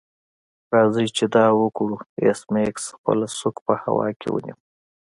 راځئ چې دا وکړو ایس میکس خپله سوک په هوا کې ونیو